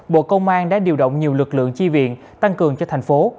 bộ công an đã điều động nhiều lực lượng chi viện tăng cường cho thành phố